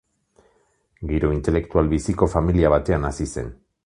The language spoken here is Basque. Giro intelektual biziko familia batean hazi zen.